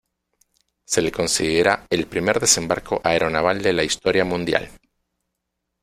Se le considera el primer desembarco aeronaval de la historia mundial.